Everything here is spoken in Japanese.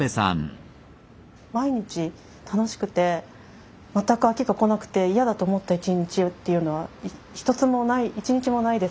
毎日楽しくて全く飽きがこなくて嫌だと思った一日っていうのは一つもない一日もないです。